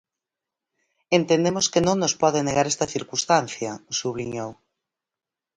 "Entendemos que non nos pode negar esta circunstancia", subliñou.